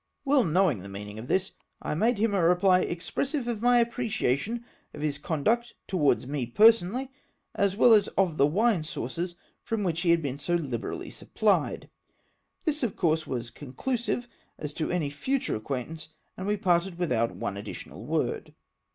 " Well knowing the meaning of this, I made him a reply expressive of my appreciation of his conduct towards me personally, as well as of the wine sources from which he had been so liberally supphed. This, of course, was conclusive as to any fntiure acquaintance, and we parted without one additional word.